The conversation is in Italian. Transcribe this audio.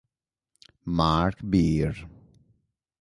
Mark Beer